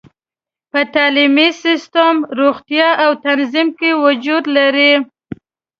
په تعلیمي سیستم، روغتیا او تنظیم کې وجود لري.